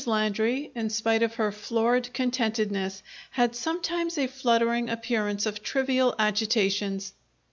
Landry, in spite of her florid contentedness, had sometimes a fluttering appearance of trivial agitations.